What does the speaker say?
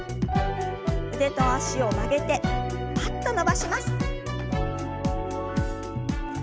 腕と脚を曲げてパッと伸ばします。